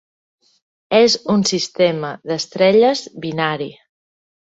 És un sistema d"estrelles binari.